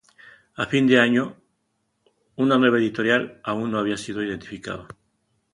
A fin de año, una nueva editorial aún no había sido identificado.